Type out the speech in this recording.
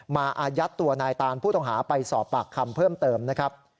อายัดตัวนายตานผู้ต้องหาไปสอบปากคำเพิ่มเติมนะครับ